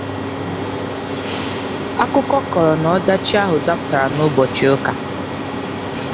Akụkọ kọrọ na ọdachi ahụ dapụtara ụbọchị ụka